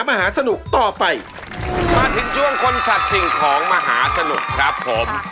มาถึงช่วงคนสัดสิ่งของมหาสนุกครับผม